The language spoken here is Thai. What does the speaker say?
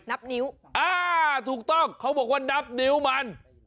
นับนิ้วอ่าถูกต้องเขาบอกว่านับนิ้วมัน